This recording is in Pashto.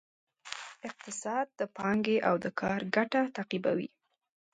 اقتصاد د پانګې او کار ګټه تعقیبوي.